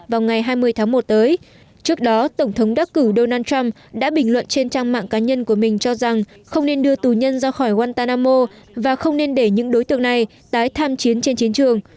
vào ngày hai mươi tháng một tới trước đó tổng thống đắc cử donald trump đã bình luận trên trang mạng cá nhân của mình cho rằng không nên đưa tù nhân ra khỏi wantanamo và không nên để những đối tượng này tái tham chiến trên chiến trường